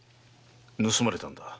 盗まれたのだ。